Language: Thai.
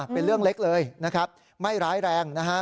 เป็นเรื่องเล็กเลยไม่ร้ายแรง